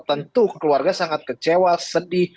tentu keluarga sangat kecewa sedih